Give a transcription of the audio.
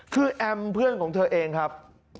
คือแอมเพื่อนของเธอเองครับ